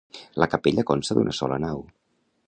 La capella consta d'una sola nau.